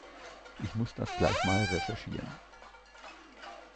Ich muss das gleich mal recherchieren.